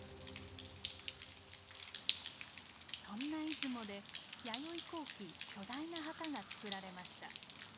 そんな出雲で弥生後期巨大な墓がつくられました。